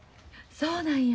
そうなんや。